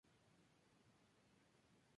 Su hábitat natural son: sabanas húmedas.